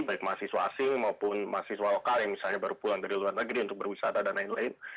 baik mahasiswa asing maupun mahasiswa lokal yang misalnya baru pulang dari luar negeri untuk berwisata dan lain lain